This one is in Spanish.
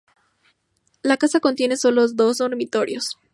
La casa contiene sólo dos dormitorios.